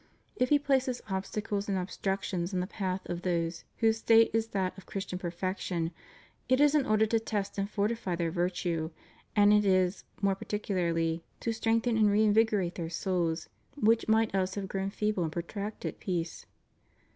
If He places obstacles and obstructions in the path of those whose state is that of Christian perfection, it is in order to test and fortify their virtue, and it is, more par ticularly, to strengthen and reinvigorate their souls which might else have grown feeble in protracted peace.